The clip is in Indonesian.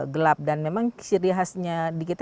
gelap dan memang ciri khasnya